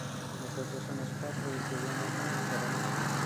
Nosotros somos cuatro y si viene Juan seremos cinco.